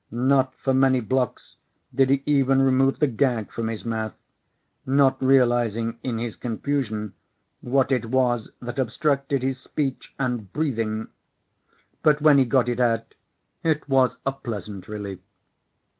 Not for many blocks did he even remove the gag from his mouth, not realizing in his confusion what it was that obstructed his speech and breathing. But when he got it out, it was a pleasant relief.